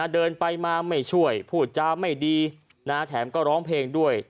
เดินไปมาไม่ช่วยพูดจาไม่ดีแถมก็ร้องเพลงด้วย